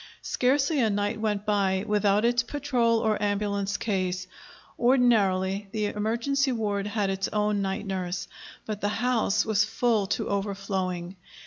Scarcely a night went by without its patrol or ambulance case. Ordinarily, the emergency ward had its own night nurse. But the house was full to overflowing.